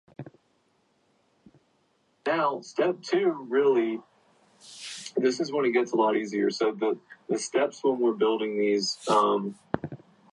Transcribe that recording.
Hence, this interpretation is called "truth-functional".